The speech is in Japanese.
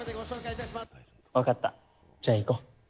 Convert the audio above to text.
分かった、じゃあ行こう。